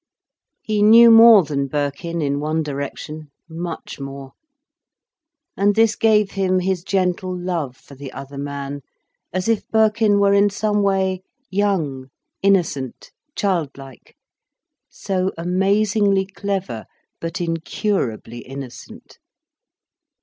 He knew more than Birkin, in one direction—much more. And this gave him his gentle love for the other man, as if Birkin were in some way young, innocent, child like: so amazingly clever, but incurably innocent.